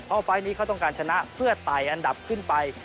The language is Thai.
เพราะไฟล์นี้เขาต้องการชนะเพื่อไต่อันดับขึ้นไป